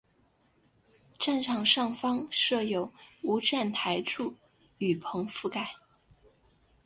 站场上方设有无站台柱雨棚覆盖。